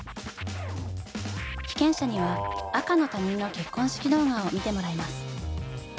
被験者には赤の他人の結婚式動画を見てもらいます。